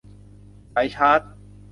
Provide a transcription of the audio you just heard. สายชาร์จ